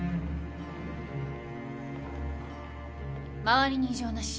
周りに異常なし。